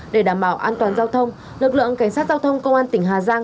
để đảm bảo an toàn giao thông lực lượng cảnh sát giao thông công an tỉnh hà giang